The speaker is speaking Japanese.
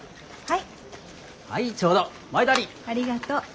はい。